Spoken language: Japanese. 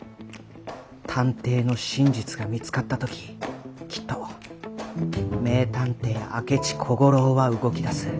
探偵の真実が見つかった時きっと名探偵明智小五郎は動き出す。